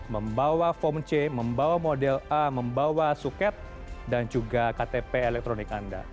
membawa form c membawa model a membawa suket dan juga ktp elektronik anda